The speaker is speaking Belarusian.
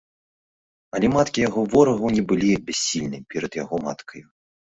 Але маткі яго ворагаў не былі бяссільны перад яго маткаю.